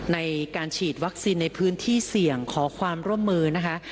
ในการฉีดวัคซีนในพื้นที่เสี่ยงขอความร่วมมือนะคะ